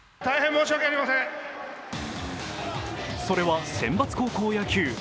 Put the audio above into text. それは選抜高校野球。